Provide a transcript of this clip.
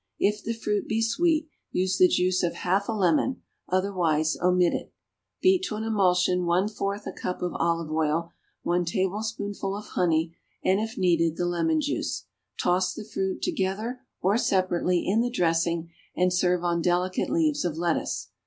If the fruit be sweet, use the juice of half a lemon, otherwise omit it. Beat to an emulsion one fourth a cup of olive oil, one tablespoonful of honey, and, if needed, the lemon juice; toss the fruit, together or separately, in the dressing, and serve on delicate leaves of lettuce.